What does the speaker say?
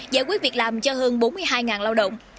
giải quyết việc làm cho hơn bốn mươi hai lao động